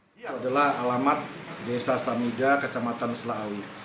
ini adalah alamat desa samida kecamatan selaawi